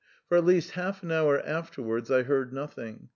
For at least half an hour afterwards I heard nothing.